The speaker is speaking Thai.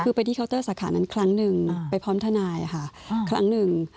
คือไปที่เคาน์เตอร์สาขานั้นครั้งหนึ่งไปพร้อมทนายค่ะครั้งหนึ่ง